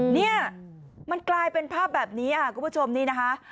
เนี่ยมันกลายเป็นภาพแบบนี้ค่ะคุณผู้ชมนี่นะคะ